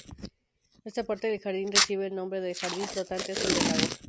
Esta parte del jardín recibe el nombre de "Jardín flotante sobre el agua".